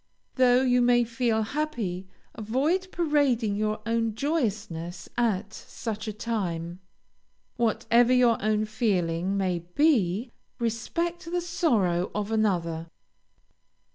Though you may feel happy, avoid parading your own joyousness at such a time; whatever your own feeling may be, respect the sorrow of another.